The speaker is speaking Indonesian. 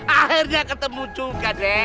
akhirnya ketemu juga deh